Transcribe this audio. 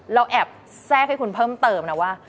เราแอบแทรกให้คุณเพิ่มเติมนะว่า